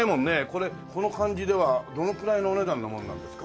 これこの感じではどのくらいのお値段のものなんですか？